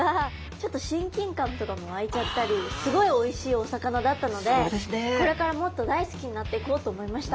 ちょっと親近感とかも湧いちゃったりすごいおいしいお魚だったのでこれからもっと大好きになっていこうと思いました。